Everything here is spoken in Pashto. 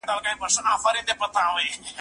او د منظور جانان له سرې خولۍ نه